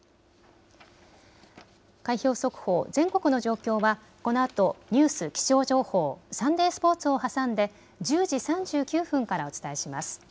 開票速報、全国の状況はこのあとニュース・気象情報、サンデースポーツを挟んで１０時３９分からお伝えします。